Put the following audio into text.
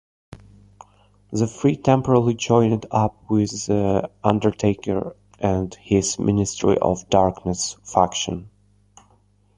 The three temporarily joined up with The Undertaker and his Ministry of Darkness faction.